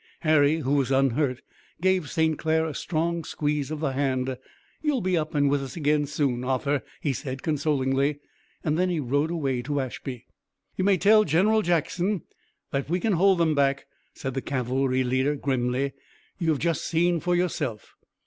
Harry, who was unhurt, gave St. Clair a strong squeeze of the hand. "You'll be up and with us again soon, Arthur," he said consolingly, and then he rode away to Ashby. "You may tell General Jackson that we can hold them back," said the cavalry leader grimly. "You have just seen for yourself."